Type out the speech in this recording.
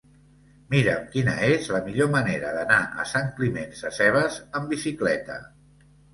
Mira'm quina és la millor manera d'anar a Sant Climent Sescebes amb bicicleta.